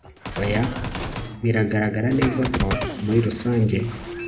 oya, biragaragara neza ko muri rusange